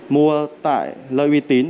mua tại lợi uy tín